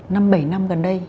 năm bảy năm gần đây